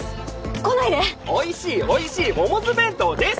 来ないでおいしいおいしいモモズ弁当です！